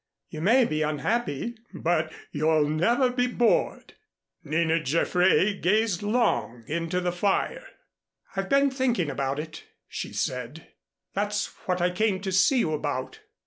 You may be unhappy, but you'll never be bored." Nina Jaffray gazed long into the fire. "I've been thinking about it," she said. "That's what I came to see you about."